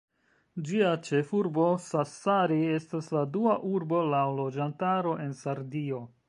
Ĝia ĉefurbo, Sassari, estas la dua urbo laŭ loĝantaro en Sardio.